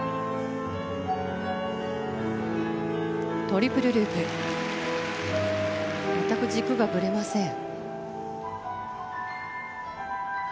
トリプルループ全く軸がブレません